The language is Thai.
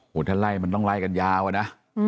โห่ท่านไร้มันต้องไร้กันยาวอะนะ